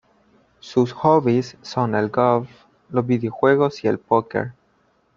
Sus hobbies son el golf, los videojuegos y el póquer.